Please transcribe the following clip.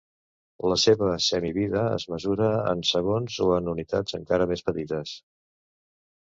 La seva semivida es mesura en segons o en unitats encara més petites.